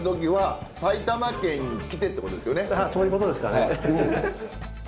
そういうことですかね。